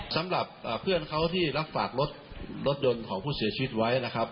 สำหรับเพื่อนเขาที่รับฝากรถรถยนต์ของผู้เสียชีวิตไว้นะครับ